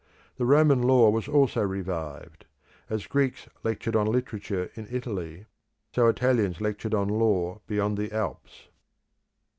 The Roman law was also revived; as Greeks lectured on literature in Italy, so Italians lectured on law beyond the Alps.